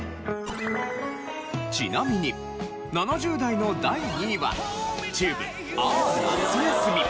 ちなみに７０代の第２位はＴＵＢＥ『あ夏休み』。